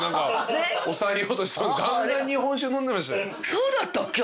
そうだったっけ？